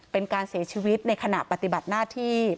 เป็นการเสียชีวิตในขณะปฏิบัติหน้าที่